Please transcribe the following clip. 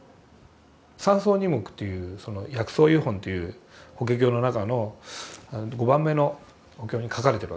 「三草二木」というその「薬草喩品」という「法華経」の中の５番目のお経に書かれてるわけですけど。